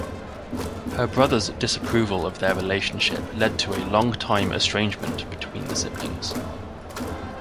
Her brother's disapproval of their relationship led to a longtime estrangement between the siblings.